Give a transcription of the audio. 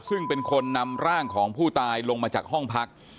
ซึ่งเป็นคนนำร่างของผู้ตายลงมาจากห้องพัก